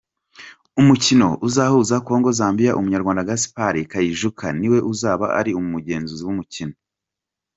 Umukino uzahuza Congo zombi, Umunyarwanda Gaspard Kayijuka ni we uzaba ari umugenzuzi w’umukino.